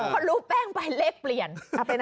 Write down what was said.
พอรู้แป้งไปเลขเปลี่ยน